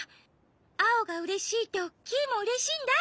アオがうれしいとキイもうれしいんだ。